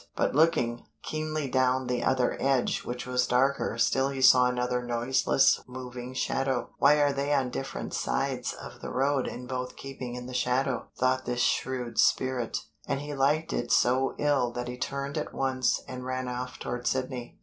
But looking keenly down the other edge which was darker still he saw another noiseless moving shadow. "Why are they on different sides of the road and both keeping in the shadow?" thought this shrewd spirit, and he liked it so ill that he turned at once and ran off toward Sydney.